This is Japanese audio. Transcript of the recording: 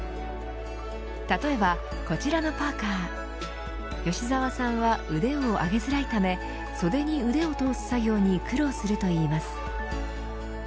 例えば、こちらのパーカー吉沢さんは、腕を上げづらいため袖に腕を通す作業に苦労するといいます。